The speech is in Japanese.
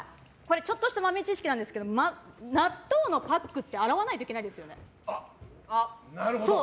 ちょっとした豆知識なんですけど納豆のパックって洗わなきゃいけないですよね。